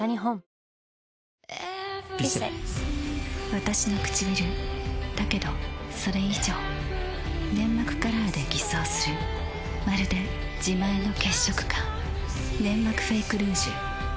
わたしのくちびるだけどそれ以上粘膜カラーで偽装するまるで自前の血色感「ネンマクフェイクルージュ」